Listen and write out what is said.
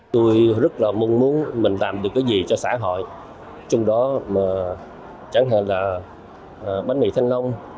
tôi rất là mong muốn mình làm được cái gì cho xã hội trong đó mà chẳng hạn là bánh mì thanh long